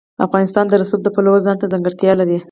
افغانستان د رسوب د پلوه ځانته ځانګړتیا لري.